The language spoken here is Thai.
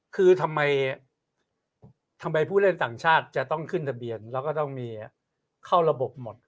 คือทำไมทำไมผู้เล่นต่างชาติจะต้องขึ้นทะเบียนแล้วก็ต้องมีเข้าระบบหมด